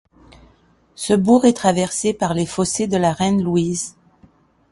Ce bourg est traversé par les fossés de la reine Louise.